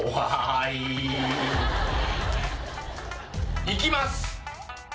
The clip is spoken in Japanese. いきます。